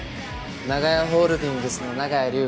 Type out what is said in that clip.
長屋ホールディングスの長屋龍河です。